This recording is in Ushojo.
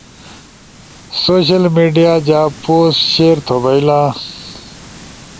تسوشل میڈیا جا پوسٹس شئیر تھو بئیلا۔